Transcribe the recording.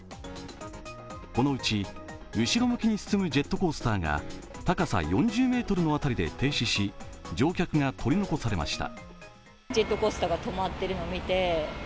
このうち後ろ向きに進むジェットコースターが高さ４０ｍの辺りで停止し乗客が取り残されました。